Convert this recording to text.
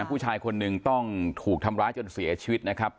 ผู้ชายคนหนึ่งต้องถูกทำร้ายจนเสียชีวิตนะครับ